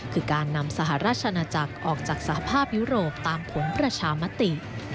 คือการนำสหราชนาจักรออกจากสภาพยุโรปตามผลประชามติ